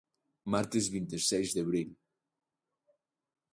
Martes vinte e seis de abril.